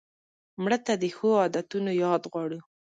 مړه ته د ښو عادتونو یاد غواړو